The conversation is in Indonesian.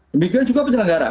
demikian juga penyelenggara